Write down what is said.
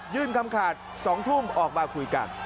คำขาด๒ทุ่มออกมาคุยกัน